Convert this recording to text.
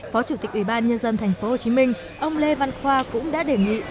phó chủ tịch ủy ban nhân dân tp hcm ông lê văn khoa cũng đã đề nghị